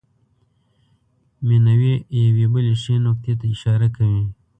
مینوي یوې بلې ښې نکتې ته اشاره کوي.